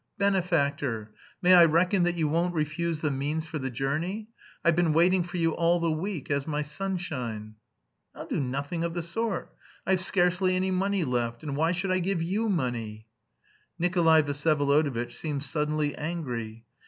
Benefactor! May I reckon that you won't refuse the means for the journey? I've been waiting for you all the week as my sunshine." "I'll do nothing of the sort. I've scarcely any money left. And why should I give you money?" Nikolay Vsyevolodovitch seemed suddenly angry.